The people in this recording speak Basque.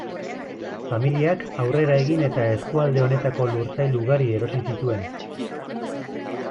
Familiak aurrera egin eta eskualde honetako lursail ugari erosi zituen.